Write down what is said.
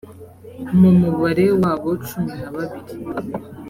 mu mubare w abo cumi na babiri